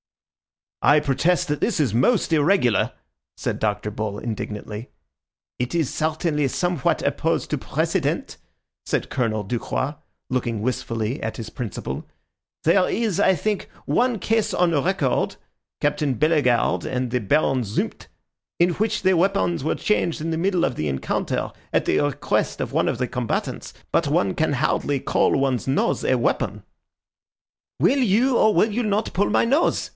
"I protest that this is most irregular," said Dr. Bull indignantly. "It is certainly somewhat opposed to precedent," said Colonel Ducroix, looking wistfully at his principal. "There is, I think, one case on record (Captain Bellegarde and the Baron Zumpt) in which the weapons were changed in the middle of the encounter at the request of one of the combatants. But one can hardly call one's nose a weapon." "Will you or will you not pull my nose?"